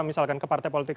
misalkan ke partai politik